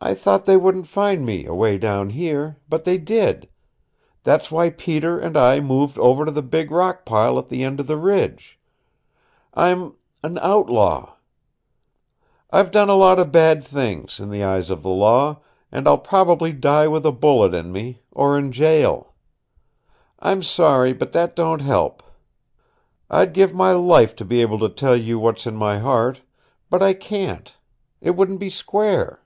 I thought they wouldn't find me away down here, but they did. That's why Peter and I moved over to the big rock pile at the end of the Ridge. I'm an outlaw. I've done a lot of bad things in the eyes of the law, and I'll probably die with a bullet in me, or in jail. I'm sorry, but that don't help. I'd give my life to be able to tell you what's in my heart. But I can't. It wouldn't be square."